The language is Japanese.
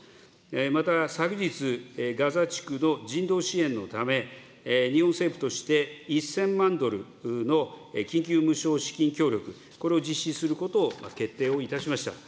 また、昨日、ガザ地区の人道支援のため、日本政府として１０００万ドルの緊急無償資金協力、これを実施することを決定をいたしました。